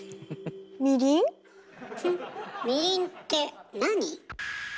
みりんってなに？